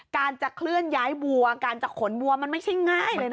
การจะเคลื่อนย้ายวัวการจะขนวัวมันไม่ใช่ง่ายเลยนะ